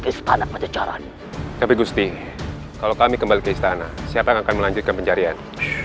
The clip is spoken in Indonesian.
ke istana pencejaran tapi gusti kalau kami kembali ke istana siapa akan melanjutkan pencarian